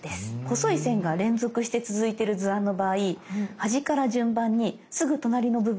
細い線が連続して続いてる図案の場合端から順番にすぐ隣の部分へ切り進めて下さい。